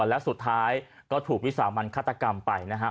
และสุดท้ายก็ถูกวิสามันฆาตกรรมไปนะฮะ